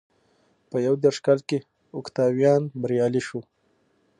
په یو دېرش کال کې اوکتاویان بریالی شو.